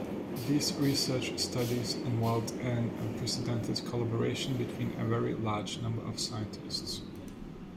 These research studies involved an unprecedented collaboration between a very large number of scientists.